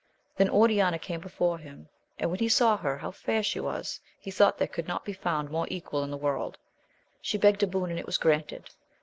Then Oriana came before him ; and when he saw her, how fair she was, he thought there could not be found her equal in the world. She begged a boon, and it was granted.